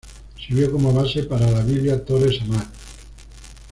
Sirvió como base para la Biblia Torres Amat.